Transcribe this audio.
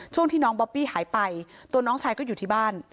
ช่วงที่น้องบอบบี้หายไปตัวน้องชายก็อยู่ที่บ้าน